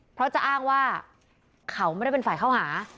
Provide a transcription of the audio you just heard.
เพราะจะอ้างว่าเขาไม่ได้เป็นฝ่ายเข้าหา